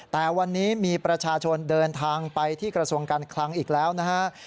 แต่วันนี้มีประชาชนเดินทางไปที่กระทรวงการคลังอีกแล้วนะฮะ